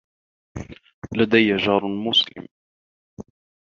لديّ جار مسلم.